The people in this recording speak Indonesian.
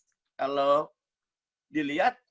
kalau dilihat produknya mayoritasnya